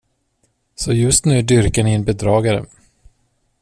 Så just nu dyrkar ni en bedragare.